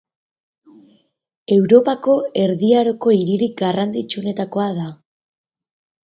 Europako erdi aroko hiririk garrantzitsuenetakoa da.